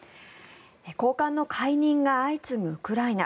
高官の解任が相次ぐウクライナ。